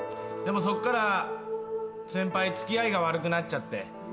そっから先輩付き合いが悪くなっちゃって。